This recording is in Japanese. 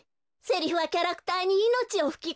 セリフはキャラクターにいのちをふきこむのよ。